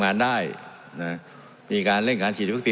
สวัสดีสวัสดีสวัสดี